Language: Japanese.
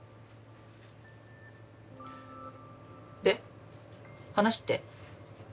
で話って？